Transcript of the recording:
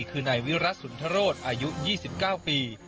คือในวิรัติศุนย์ทะโรธอายุ๒๙ปี